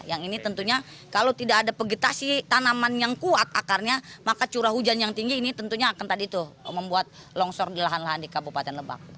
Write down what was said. yang ini tentunya kalau tidak ada vegetasi tanaman yang kuat akarnya maka curah hujan yang tinggi ini tentunya akan tadi tuh membuat longsor di lahan lahan di kabupaten lebak